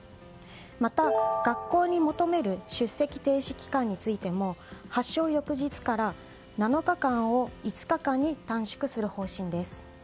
また、学校に求める出席停止期間についても発症翌日から７日間を５日間を短縮する方針です。